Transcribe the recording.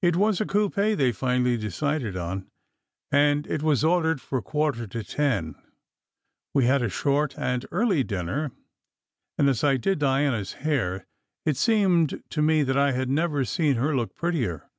It was a coupe they finally decided on, and it was ordered for a quarter to ten. We had a short and early dinner, and as I did Diana s hair, it seemed to me that I had never seen SECRET HISTORY 33 her look prettier.